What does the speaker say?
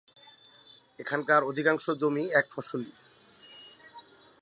এখানকার অধিকাংশ জমি এক ফসলি।